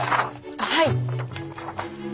はい。